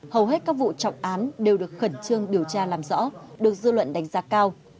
hầu hết các vụ trọng án đều được khẩn trương điều tra làm rõ được dư luận đánh giá cao